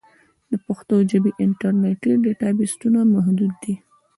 د پښتو ژبې انټرنیټي ډیټابېسونه محدود دي.